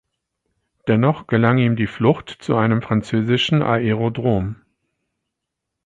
Dennoch gelang ihm die Flucht zu einem französischen Aerodrome.